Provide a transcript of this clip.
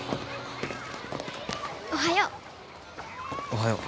おはよう。